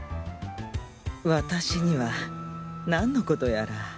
私には何のことやら。